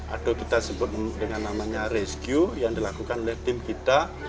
atau kita sebut dengan namanya rescue yang dilakukan oleh tim kita